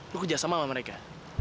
lu kerjasama sama mereka